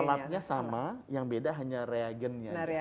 alatnya sama yang beda hanya reagennya